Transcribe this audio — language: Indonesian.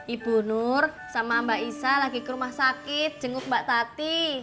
ibu nur sama mbak isa lagi ke rumah sakit jenguk mbak tati